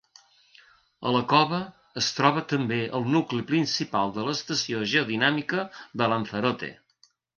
A la cova es troba també el nucli principal de l'estació geodinàmica de Lanzarote.